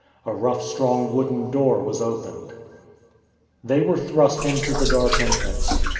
A rough strong wooden door was opened. They were thrust into the dark entrance.